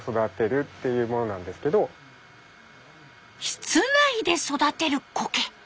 室内で育てるコケ！